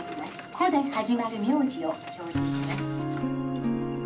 『コ』で始まる苗字を表示します」。